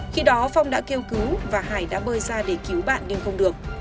khi đó phong đã kêu cứu và hải đã bơi ra để cứu bạn nhưng không được